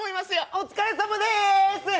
お疲れさまです！